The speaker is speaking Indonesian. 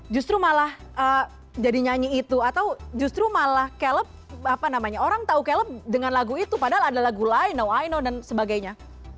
justru malah jadi nyanyi itu atau justru malah caleb apa namanya orang tahu caleb dengan lagu itu padahal ada lagu lain ky know dan sebagainya